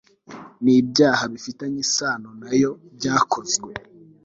n ibyaha bifitanye isano na yo byakozwe